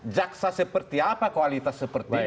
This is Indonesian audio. jaksa seperti apa kualitas seperti ini